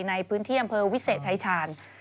ในพื้นที่อำเภอวิเศษชายชาญ